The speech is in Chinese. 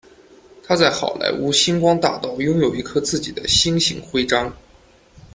他在好莱坞星光大道拥有一颗自己的星形徽章。